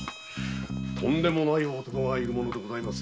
とんでもない男がいるものです。